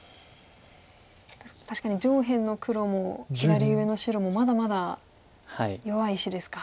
確かに上辺の黒も左上の白もまだまだ弱い石ですか。